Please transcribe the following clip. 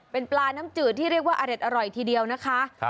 เป็นปลาน้ำจืดที่เรียกว่าอเด็ดอร่อยทีเดียวนะคะ